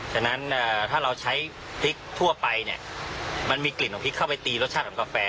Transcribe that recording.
ฉะนั้นถ้าเราใช้พริกทั่วไปเนี่ยมันมีกลิ่นของพริกเข้าไปตีรสชาติของกาแฟ